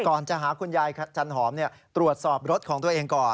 ก่อนจะหาคุณยายจันหอมตรวจสอบรถของตัวเองก่อน